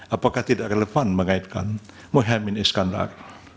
apakah tidak relevan mengaitkan mohaimin iskandar